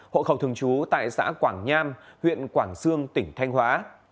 hội khẩu thường trú tại xã quảng nham huyện quảng dương tỉnh thanh hóa